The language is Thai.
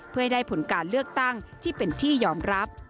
เพื่อให้ได้ผลการเลือกตั้งที่เป็นที่ยอมรับ